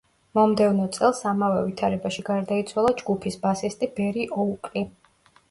მომდევნო წელს ამავე ვითარებაში გარდაიცვალა ჯგუფის ბასისტი ბერი ოუკლი.